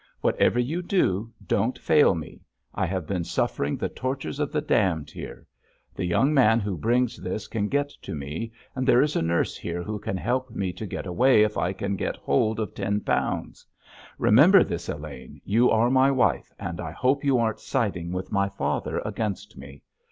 Whatever you do, don't fail me; I have been suffering the tortures of the damned here. The young man who brings this can get to me, and there is a nurse here who can help me to get away if I can get hold of ten pounds. Remember this, Elaine, you are my wife, and I hope you aren't siding with my father against me.